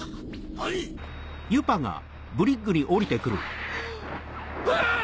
何⁉うわっ！